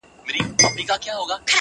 دا بل بیت هم دغه خبره لري